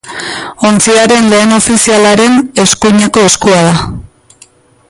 Ontziaren lehen ofizialaren eskuineko eskua da.